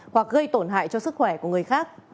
hoặc gây tổn hại cho sức khỏe của người khác